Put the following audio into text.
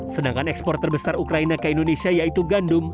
sedangkan ekspor terbesar ukraina ke indonesia yaitu gandum